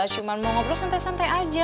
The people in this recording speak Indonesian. cuma mau ngobrol santai santai aja